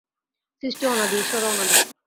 সৃষ্টি অনাদি, ঈশ্বরও অনাদি।